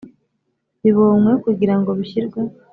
Bibonywe kugira ngo bishyirwe